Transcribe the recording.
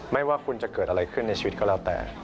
ไม่ว่าคุณจะเกิดอะไรขึ้นในชีวิตก็แล้วแต่